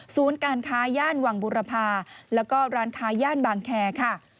การค้าย่านวังบุรพาแล้วก็ร้านค้าย่านบางแคร์ค่ะ